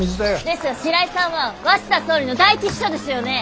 ですが白井さんは鷲田総理の第一秘書ですよね？